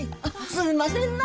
すんませんな！